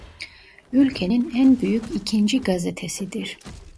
Ülkenin en büyük ikinci gazetesidir.